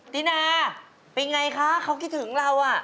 ตินาเป็นไงคะเขาคิดถึงเรา